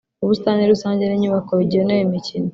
ubusitani rusange n’inyubako bigenewe imikino